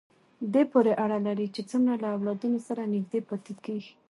دې پورې اړه لري چې څومره له اولادونو سره نږدې پاتې کېږي.